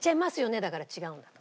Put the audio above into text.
だから違うんだ。